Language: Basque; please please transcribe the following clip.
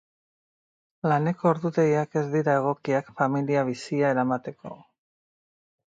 Laneko ordutegiak ez dira egokiak familia bizia eramateko.